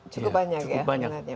cukup banyak ya